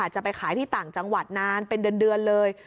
จะไปขายที่ต่างจังหวัดนานเป็นเดือนเลย